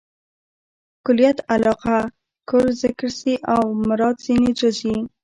کلیت علاقه؛ کل ذکر سي او مراد ځني جز يي.